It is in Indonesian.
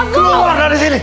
keluar dari sini